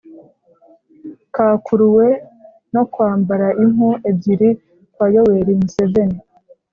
kakuruwe no kwambara impu ebyiri kwa yoweri museveni